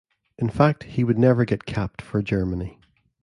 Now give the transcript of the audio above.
In fact he would never get capped for Germany.